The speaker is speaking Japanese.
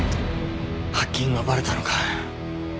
ハッキングがバレたのか。